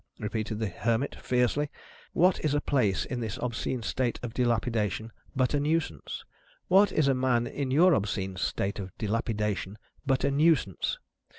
repeated the Hermit, fiercely. "What is a place in this obscene state of dilapidation but a Nuisance? What is a man in your obscene state of dilapidation but a Nuisance?